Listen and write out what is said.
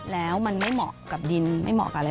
แล้วมันไม่เหมาะกับดินไม่เหมาะกับอะไร